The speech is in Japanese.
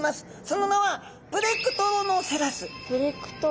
その名はプレクトロノセラス？